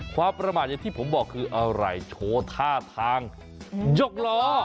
ความประมาทอย่างที่ผมบอกคืออะไรโชว์ท่าทางยกล้อ